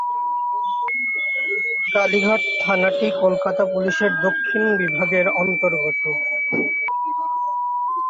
কালীঘাট থানাটি কলকাতা পুলিশের দক্ষিণ বিভাগের অন্তর্গত।